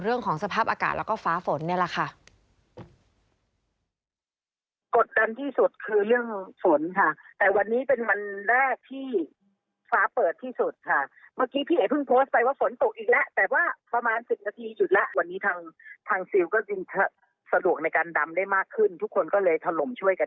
เรื่องของสภาพอากาศแล้วก็ฟ้าฝนเนี่ยแหละค่ะ